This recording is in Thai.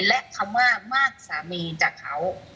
และคำว่ามากสามีจากเขา